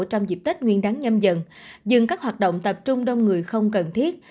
trong dịp tết nguyên đáng nhâm dần dừng các hoạt động tập trung đông người không cần thiết